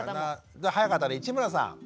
じゃあ早かったんで市村さん。